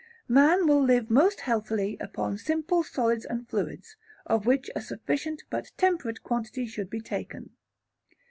Man will live most healthily upon simple solids and fluids, of which a sufficient but temperate quantity should be taken.